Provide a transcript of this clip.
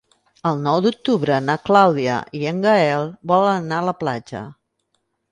El nou d'octubre na Clàudia i en Gaël volen anar a la platja.